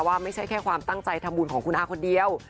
ไม่ใช่แค่ความตั้งใจทำบุญของคุณอาคนเดียว